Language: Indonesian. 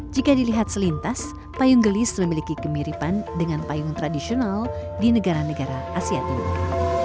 jika dilihat selintas payung gelis memiliki kemiripan dengan payung tradisional di negara negara asia timur